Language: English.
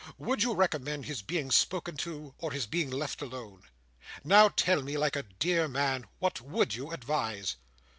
Would you recommend his being spoken to, or his being left alone? Now tell me, like a dear man, what would you advise."